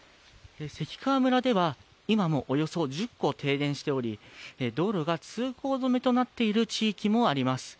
関川村では今もおよそ１０戸停電しており道路が通行止めとなっている地域もあります。